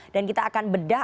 dan kita akan bedah